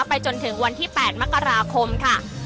ไปจนถึงวันที่๘มกราคมค่ะ